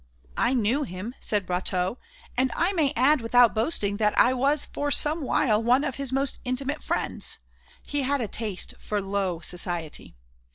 "I knew him," said Brotteaux, "and I may add without boasting that I was for some while one of his most intimate friends; he had a taste for low society.